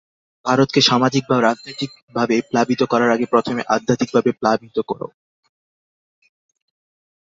ভারতকে সামাজিক বা রাজনীতিকভাবে প্লাবিত করার আগে প্রথমে আধ্যাত্মিক ভাবে প্লাবিত কর।